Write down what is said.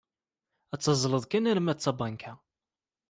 Ad tazzled kan arma d tabanka.